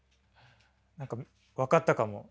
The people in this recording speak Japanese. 何か分かったかも。